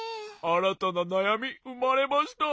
あらたななやみうまれました。